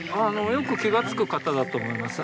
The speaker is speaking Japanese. よく気がつく方だと思います。